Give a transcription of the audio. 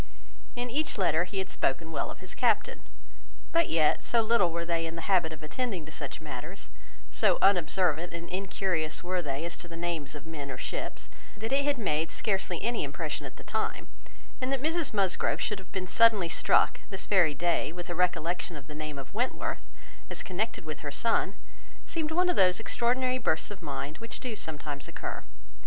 In each letter he had spoken well of his captain; but yet, so little were they in the habit of attending to such matters, so unobservant and incurious were they as to the names of men or ships, that it had made scarcely any impression at the time; and that Mrs Musgrove should have been suddenly struck, this very day, with a recollection of the name of Wentworth, as connected with her son, seemed one of those extraordinary bursts of mind which do sometimes occur.